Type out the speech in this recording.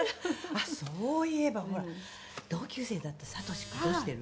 あっそういえばほら同級生だったさとしくんどうしてる？